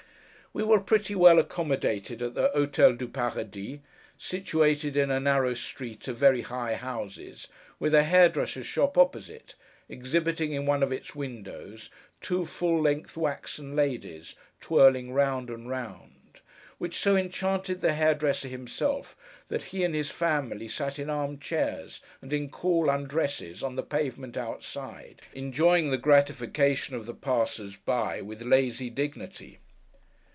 We were pretty well accommodated at the Hôtel du Paradis, situated in a narrow street of very high houses, with a hairdresser's shop opposite, exhibiting in one of its windows two full length waxen ladies, twirling round and round: which so enchanted the hairdresser himself, that he and his family sat in arm chairs, and in cool undresses, on the pavement outside, enjoying the gratification of the passers by, with lazy dignity.